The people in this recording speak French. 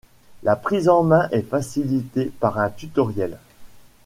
La prise en main est facilitée par un tutoriel.